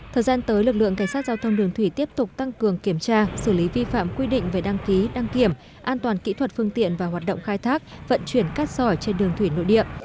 thời gian tới lực lượng cảnh sát giao thông đường thủy tiếp tục tăng cường kiểm tra xử lý vi phạm quy định về đăng ký đăng kiểm an toàn kỹ thuật phương tiện và hoạt động khai thác vận chuyển cát sỏi trên đường thủy nội địa